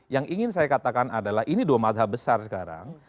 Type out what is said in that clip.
yang ingin saya katakan adalah ini dua madha besar sekarang